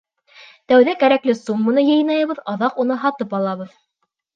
Тәүҙә кәрәкле сумманы йыйнайбыҙ, аҙаҡ уны һатып алабыҙ.